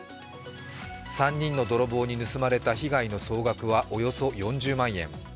３人の泥棒に盗まれた被害の総額はおよそ４０万円。